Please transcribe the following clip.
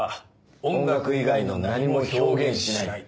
「音楽以外の何も表現しない」。